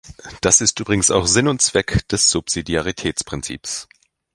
Das ist übrigens auch Sinn und Zweck des Subsidiaritätsprinzips.